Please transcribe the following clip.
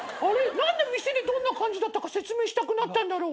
何で店でどんな感じだったか説明したくなったんだろう。